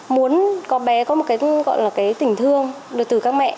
muốn con bé có một cái tình thương được từ các mẹ